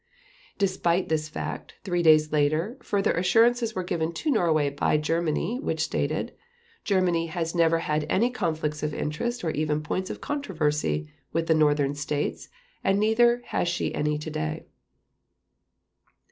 Despite this fact, three days later, further assurances were given to Norway by Germany, which stated: "Germany has never had any conflicts of interest or even points of controversy with the Northern States and neither has she any today."